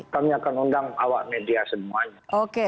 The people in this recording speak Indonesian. kami akan undang awak media semuanya